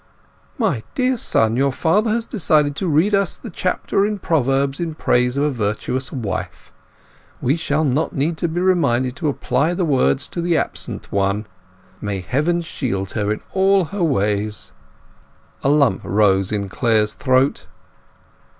"My dear son, your father has decided to read us the chapter in Proverbs in praise of a virtuous wife. We shall not need to be reminded to apply the words to the absent one. May Heaven shield her in all her ways!" A lump rose in Clare's throat.